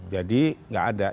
jadi tidak ada